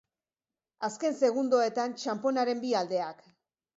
Azken segundoetan txanponaren bi aldeak.